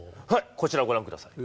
こちらをご覧ください。